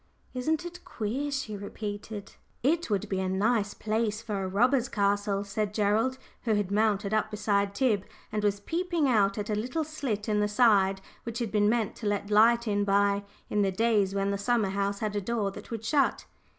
"Isn't it queer?" she repeated. "It would be a nice place for a robber's castle," said Gerald, who had mounted up beside Tib, and was peeping out at a little slit in the side which had been meant to let light in by, in the days when the summer house had a door that would shut.